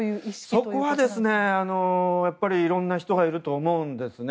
そこはいろんな人がいると思うんです。